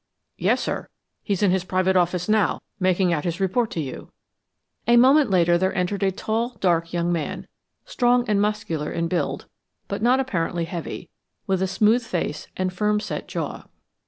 "Yes, sir. He's in his private office now, making out his report to you." A moment later, there entered a tall, dark young man, strong and muscular in build, but not apparently heavy, with a smooth face and firm set jaw.